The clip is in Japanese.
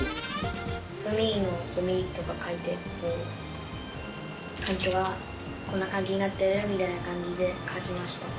海のとか書いて、環境がこんな感じになってるみたいな感じで描きました。